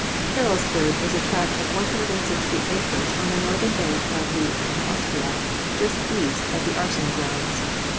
Carrollsburg was a tract of 160 acres on the northern bank of the Anacostia, just east of the Arsenal grounds.